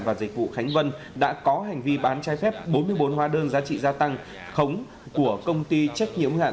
và dịch vụ khánh vân đã có hành vi bán trái phép bốn mươi bốn hóa đơn giá trị gia tăng khống của công ty trách nhiệm hạn